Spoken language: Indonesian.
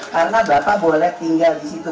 karena bapak boleh tinggal di situ